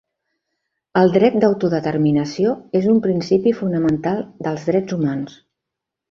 El dret d'autodeterminació és un principi fonamental dels drets humans.